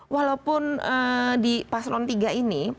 walaupun di paslon tiga ini